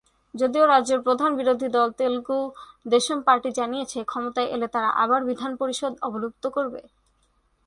যদিও রাজ্যের প্রধান বিরোধী দল তেলুগু দেশম পার্টি জানিয়েছে, ক্ষমতায় এলে তারা আবার বিধান পরিষদ অবলুপ্ত করবে।